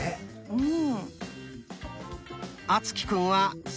うん。